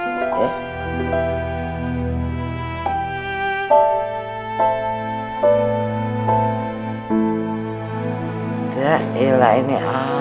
dah gila ini